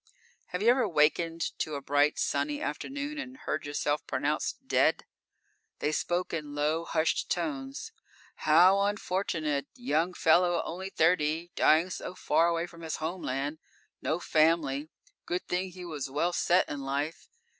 _ _Have you ever wakened to a bright, sunny afternoon and heard yourself pronounced dead? They spoke in low, hushed tones. How unfortunate. Young fellow only thirty, dying so far away from his homeland. No family. Good thing he was well set in life.